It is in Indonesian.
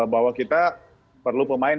bahwa kita perlu pemain